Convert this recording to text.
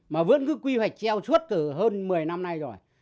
mà vẫn cứ quy hoạch treo suốt từ hơn một mươi năm nay rồi